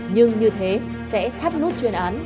nhưng như thế sẽ thắt nút chuyên án